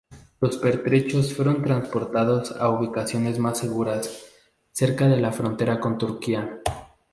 Los pertrechos fueron transportados a ubicaciones más seguras, cerca de la frontera con Turquía.